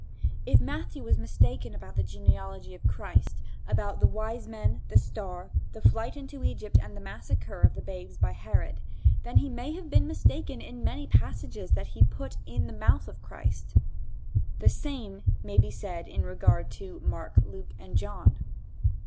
If Matthew was mistaken about the genealogy of Christ, about the wise men, the star, the flight into Egypt and the massacre of the babes by Herod, then he may have been mistaken in many passages that he put in the mouth of Christ. The same may be said in regard to Mark, Luke and John.